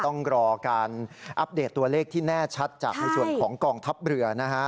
ต้องรอการอัปเดตตัวเลขที่แน่ชัดจากในส่วนของกองทัพเรือนะฮะ